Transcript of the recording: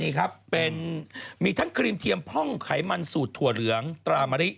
นี่ครับเป็นมีทั้งครีมเทียมพ่องไขมันสูตรถั่วเหลืองตรามะริ